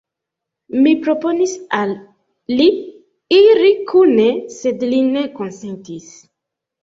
Mi proponis al li iri kune, sed li ne konsentis!